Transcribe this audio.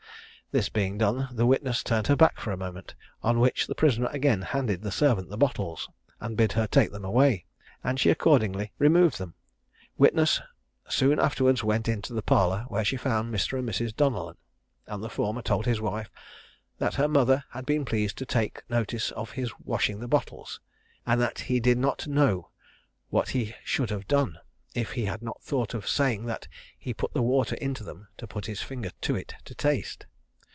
This being done, the witness turned her back for a moment, on which the prisoner again handed the servant the bottles, and bid her take them away, and she accordingly removed them. Witness soon afterwards went into the parlour, where she found Mr. and Mrs. Donellan; and the former told his wife "that her mother had been pleased to take notice of his washing the bottles, and that he did not know what he should have done, if he had not thought of saying that he put the water into them to put his finger to it to taste."